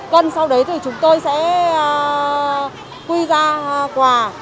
cân sau đấy thì chúng tôi sẽ quy ra quà